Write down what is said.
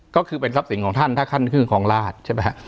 ก็คือเป็นทรัพย์สินของท่านถ้าท่านขึ้นครองราชใช่ไหมฮะ